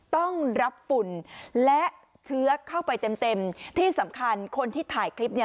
ต้องรับฝุ่นและเชื้อเข้าไปเต็มเต็มที่สำคัญคนที่ถ่ายคลิปเนี่ย